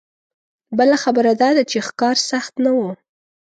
بله خبره دا ده چې ښکار سخت نه و.